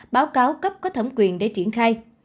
báo cáo cấp có thẩm quyền để triển khai